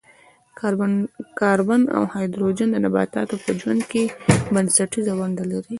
کاربن او هایدروجن د نباتاتو په ژوند کې بنسټیزه ونډه لري.